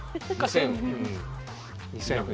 ２０００年。